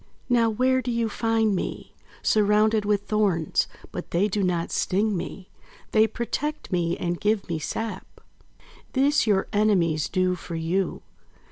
"Now, where do you find me? Surrounded with thorns! But they do not sting me. They protect me and give me sap. This your enemies do for you.